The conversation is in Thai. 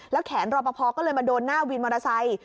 แขนรอปภก็เลยมาโดนหน้าวินมอเตอร์ไซค์